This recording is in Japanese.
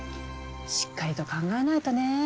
しっかりと考えないとね。